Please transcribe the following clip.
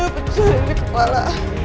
penuh ini kepala